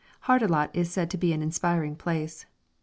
Hardelot is said to be an inspiring place.